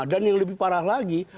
dan yang lebih parah lagi